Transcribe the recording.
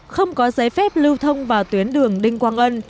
không có giấy phép lưu thông vào tuyến đường đinh quang ân